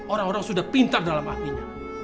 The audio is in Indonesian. orang orang sudah pintar dalam hatinya